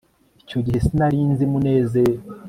icyo gihe sinari nzi munezero